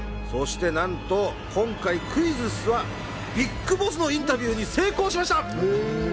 そしてなんと今回クイズッスはＢＩＧＢＯＳＳのインタビューに成功しました。